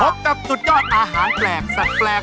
พบกับสุดยอดอาหารแปลกสัตว์แปลก